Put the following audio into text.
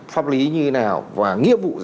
pháp lý như thế nào và nghĩa vụ